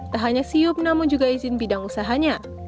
tak hanya siup namun juga izin bidang usahanya